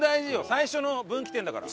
最初の分岐点だから。